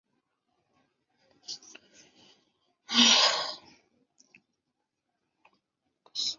其后他生平不详。